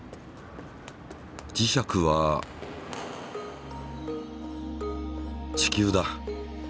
磁石は地球だ。